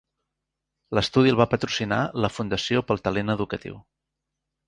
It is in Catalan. L'estudi el va patrocinar la Fundació pel Talent Educatiu.